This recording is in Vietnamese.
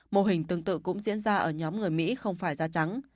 mô hình tương tự cũng diễn ra ở nhóm người mỹ không phải da trắng